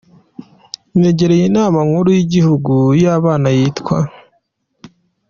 Negereye inama nkuru yigihugu yabana yitwa.